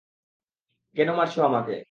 কেন মারছো আমাকে?